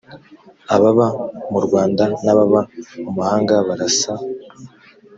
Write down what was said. ababa mu rwanda n ababa mu mahanga barasa